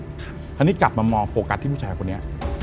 อันนี้กลับมามองโฟกัสที่ผู้ชายคนนี้